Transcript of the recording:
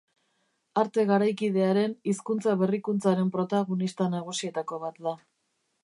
Arte garaikidearen hizkuntza-berrikuntzaren protagonista nagusietako bat da.